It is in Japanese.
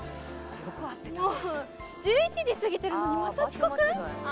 もう、１１時過ぎてるのにまた遅刻？